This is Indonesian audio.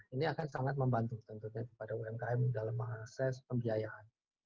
ini akan sangat membantu tentunya kepada umkm dalam mengakses pembiayaan